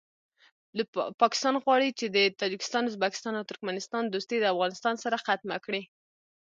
پاکستان غواړي چې د تاجکستان ازبکستان او ترکمستان دوستي د افغانستان سره ختمه کړي